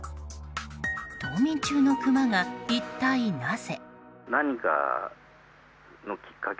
冬眠中のクマが一体なぜ？